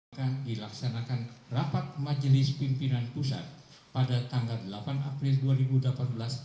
akan dilaksanakan rapat majelis pimpinan pusat pada tanggal delapan april dua ribu delapan belas